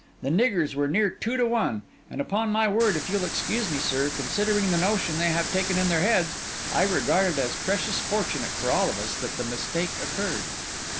The niggers were near two to one. And upon my word, if you'll excuse me, sir, considering the notion they have taken in their heads, I regard it as precious fortunate for all of us that the mistake occurred.